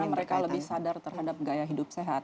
karena mereka lebih sadar terhadap gaya hidup sehat